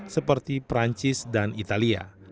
seperti perancis dan italia